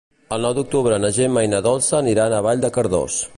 El nou d'octubre na Gemma i na Dolça aniran a Vall de Cardós.